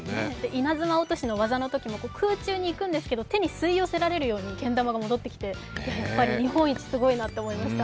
稲妻落としの技のときも空中にいくんですけど手に吸い寄せられるようにけん玉が戻ってきて、やっぱり日本一、すごいなと思いました。